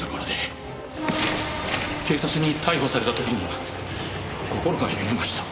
警察に逮捕された時には心が揺れました。